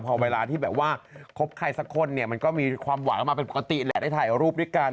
พอเวลาที่แบบว่าคบใครสักคนเนี่ยมันก็มีความหวังมาเป็นปกติแหละได้ถ่ายรูปด้วยกัน